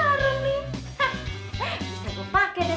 kalo topengnya sobek sobek begini mah